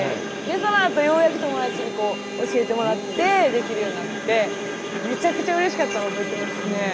そのあとようやく友達に教えてもらってできるようになってめちゃくちゃうれしかったの覚えてますね。